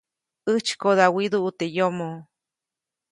‒ʼäjtsykoda widuʼu teʼ yomoʼ-.